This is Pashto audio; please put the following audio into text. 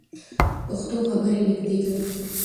پښتو خبرې نږدې کوي.